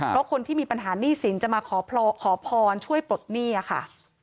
เพราะคนที่มีปัญหาหนี้สินจะมาขอพรช่วยปลดหนี้ค่ะ